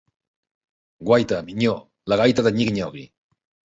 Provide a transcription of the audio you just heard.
Guaita, minyó, la gaita de nyigui-nyogui.